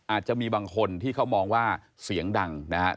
อาจจะมีบางคนที่เขามองว่าเสียงดังนะครับ